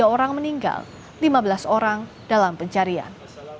tiga orang meninggal lima belas orang dalam pencarian